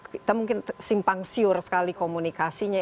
kita mungkin simpang siur sekali komunikasinya